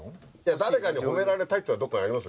誰かに褒められたいっていうのはどこかにありますよ。